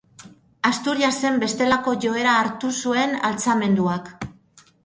Asturiasen bestelako joera hartu zuen altxamenduak.